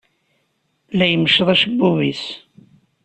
La imecceḍ acebbub-is.